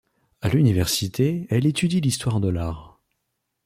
A l'université, elle étudie l'histoire de l'art.